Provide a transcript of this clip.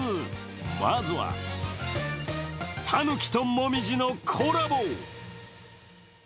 まずは、タヌキと紅葉のコラボ。